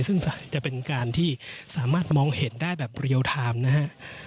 ซึ่งจะเป็นการที่สามารถมองเห็นได้แบบเรียลไทม์นะฮะ